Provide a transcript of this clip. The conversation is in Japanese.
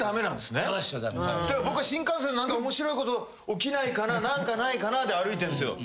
だから僕は新幹線で何か面白いこと起きないかな何かないかなで歩いてるんですよ。